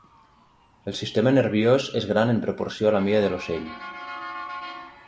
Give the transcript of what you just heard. El sistema nerviós és gran en proporció a la mida de l'ocell.